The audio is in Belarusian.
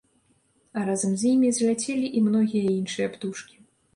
А разам з імі зляцелі і многія іншыя птушкі.